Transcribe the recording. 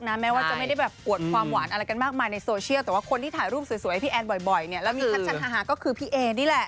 สวยให้พี่แอนบ่อยเนี่ยแล้วมีท่านชาติอาหารก็คือพี่เอ๋นนี่แหละ